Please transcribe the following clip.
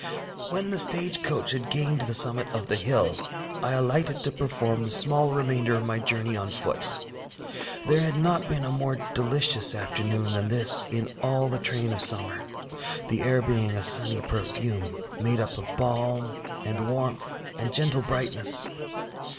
When the stage coach had gained the summit of the hill, I alighted to perform the small remainder of my journey on foot. There had not been a more delicious afternoon than this in all the train of summer, the air being a sunny perfume, made up of balm and warmth, and gentle brightness.